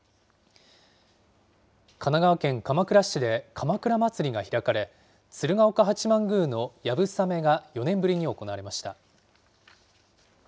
神奈川県鎌倉市で鎌倉まつりが開かれ、鶴岡八幡宮のやぶさめが４年ぶりに行われました。